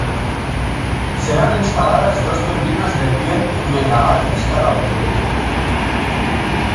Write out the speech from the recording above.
Serán instaladas dos turbinas de cien megavatios cada uno.